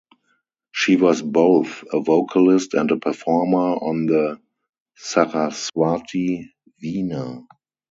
She was both a vocalist and a performer on the Saraswati veena.